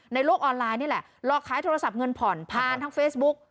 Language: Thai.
โลกออนไลน์นี่แหละหลอกขายโทรศัพท์เงินผ่อนผ่านทางเฟซบุ๊ก